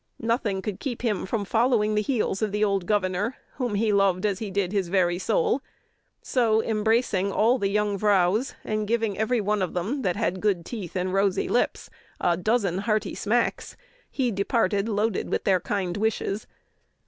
"Nothing could keep him from following the heels of the old governor, whom he loved as he did his very soul; so, embracing all the young vrouws, and giving every one of them that had good teeth and rosy lips a dozen hearty smacks, he departed, loaded with their kind wishes."